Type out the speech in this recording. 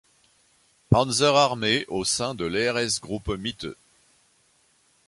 Panzer-Armee au sein de l'Heeresgruppe Mitte.